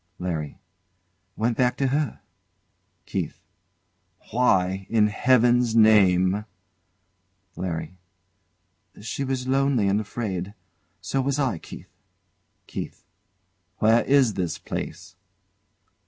LARRY. Went back to her. KEITH. Why in heaven's name? LARRY. She way lonely and afraid. So was I, Keith. KEITH. Where is this place?